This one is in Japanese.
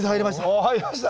おお入りました？